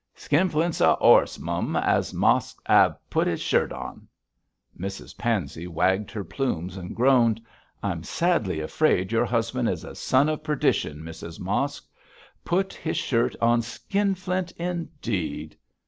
'Skinflint's a 'orse, mum, as Mosk 'ave put his shirt on.' Mrs Pansey wagged her plumes and groaned. 'I'm sadly afraid your husband is a son of perdition, Mrs Mosk. Put his shirt on Skinflint, indeed!'